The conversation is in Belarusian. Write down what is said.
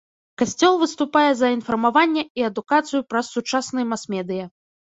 Касцёл выступае за інфармаванне і адукацыю праз сучасныя мас-медыя.